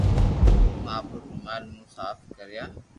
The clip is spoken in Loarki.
ھون آپري رومال مون صاف ڪريا